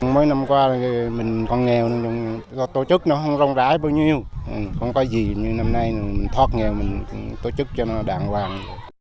mấy năm qua mình còn nghèo tổ chức nó không rong rãi bao nhiêu không có gì như năm nay mình thoát nghèo mình tổ chức cho nó đàng hoàng